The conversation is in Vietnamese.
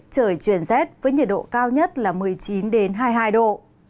trời chuyển rét với nhiệt độ cao nhất là một mươi chín hai mươi hai độ